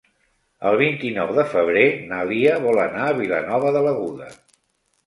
El vint-i-nou de febrer na Lia vol anar a Vilanova de l'Aguda.